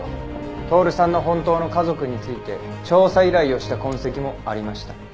透さんの本当の家族について調査依頼をした痕跡もありました。